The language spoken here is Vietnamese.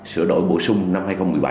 sửa đổi bổ sung năm hai nghìn một mươi bảy